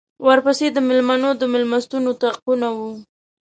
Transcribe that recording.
ورپسې د مېلمنو د مېلمستون اطاقونه وو.